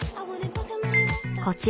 ［こちらの］